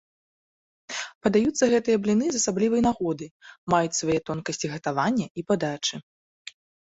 Падаюцца гэтыя бліны з асаблівай нагоды, маюць свае тонкасці гатавання і падачы.